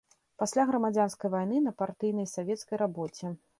Пасля грамадзянскай вайны на партыйнай і савецкай рабоце.